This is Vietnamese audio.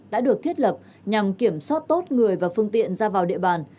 đã được thiết lập nhằm kiểm soát tốt người và phương tiện ra vào địa bàn